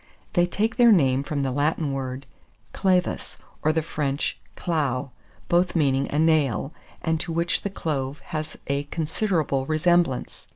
They take their name from the Latin word clavus, or the French clou, both meaning a nail, and to which the clove has a considerable resemblance.